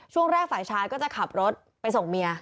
ช่วงแรกฝ่ายชายก็จะขับรถไปส่งเมีย